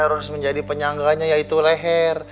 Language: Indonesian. harus menjadi penyangganya yaitu leher